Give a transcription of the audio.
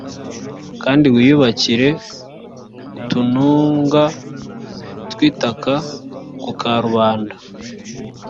kandi wiyubakira utununga tw’ itaka ku karubanda